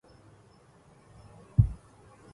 أعتقد أنه بإمكاننا إيجاد طريق العودة بأنفسنا.